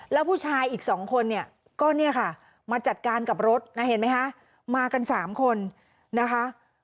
แล้วผู้ชายอีก๒คนเนี่ยก็เนี่ยค่ะมาจัดการกับรถนะเห็นไหมคะมากัน๓คนนะคะ